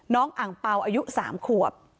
น้องอังเปราอายุ๓ขวบ